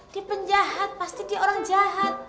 di penjahat pasti dia orang jahat